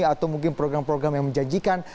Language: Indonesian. atau mungkin program program yang menjanjikan